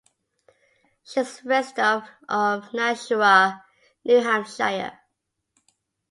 She is a resident of Nashua, New Hampshire.